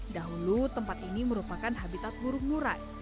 dahulu tempat ini merupakan habitat burung murai